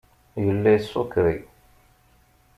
Yella isukṛi.